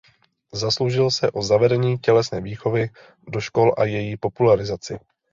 Zasloužil se o zavedení tělesné výchovy do škol a její popularizaci.